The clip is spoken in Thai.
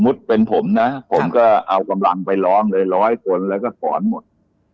เป็นผมนะผมก็เอากำลังไปล้อมเลยร้อยคนแล้วก็สอนหมด